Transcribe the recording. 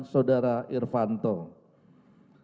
saudara irvan tohendro